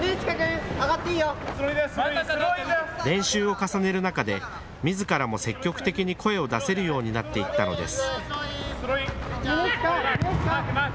練習を重ねる中でみずからも積極的に声を出せるようになっていったのです。